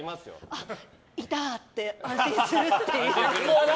あ、いたって安心するっていう。